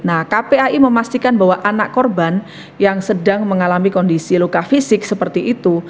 nah kpai memastikan bahwa anak korban yang sedang mengalami kondisi luka fisik seperti itu